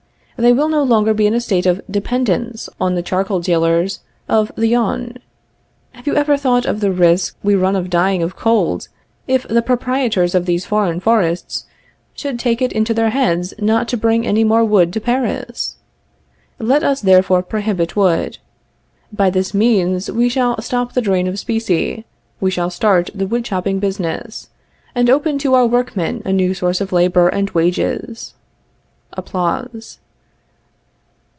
They will no longer be in a state of dependence on the charcoal dealers of the Yonne. Have you ever thought of the risk we run of dying of cold, if the proprietors of these foreign forests should take it into their heads not to bring any more wood to Paris? Let us, therefore, prohibit wood. By this means we shall stop the drain of specie, we shall start the wood chopping business, and open to our workmen a new source of labor and wages. [Applause.